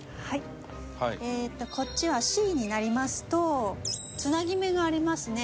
こっちはＣになりますとつなぎ目がありますね。